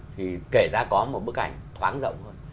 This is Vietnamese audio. thì kể ra có một bức ảnh thoáng rộng hơn